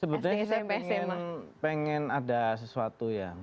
sebetulnya saya pengen ada sesuatu ya